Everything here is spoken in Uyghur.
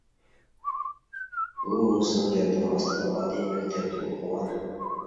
ئۇ، مومىسىنىڭ ياردىمى ئاستىدا ئالىي مەكتەپتە ئوقۇغان.